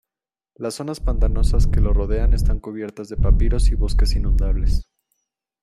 Las zonas pantanosas que lo rodean están cubiertas de papiros y bosques inundables.